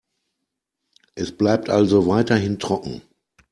Es bleibt also weiterhin trocken.